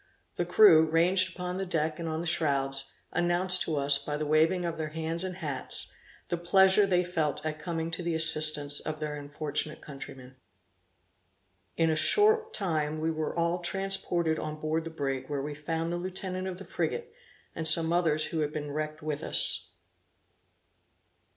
The crew, ranged upon the deck and on the shrouds, announced to us, by the waving of their hands and hats, the pleasure they felt at coming to the assistance of their unfortunate countrymen. In a short time we were all transported on board the brig, where we found the lieutenant of the frigate, and some others who had been wrecked with us.